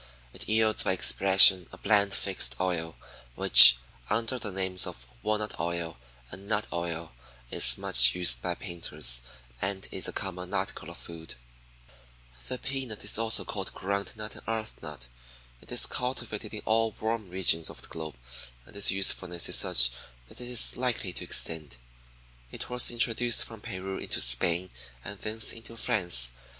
It yields by expression a bland fixed oil, which, under the names of "walnut oil" and "nut oil," is much used by painters and is a common article of food. 2. The peanut (Arachis) is also called ground nut and earth nut. It is cultivated in all warm regions of the globe, and its usefulness is such that it is likely to extend. It was introduced from Peru into Spain, and thence into France.